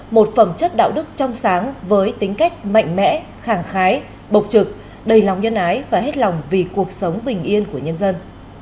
một phẩm chất đạo đức trong sáng với tính cách mạnh mẽ khảng khái bộc trực đầy lòng nhân ái và hết lòng vì cuộc sống bình yên của nhân dân